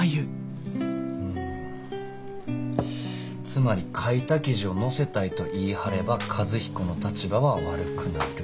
つまり書いた記事を載せたいと言い張れば和彦の立場は悪くなる。